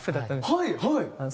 はいはい！